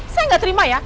saya nggak terima ya